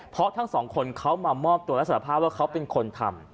เพราะทั้งสองคนเขามามอบตัวและสารภาพว่าเขาเป็นคนทำ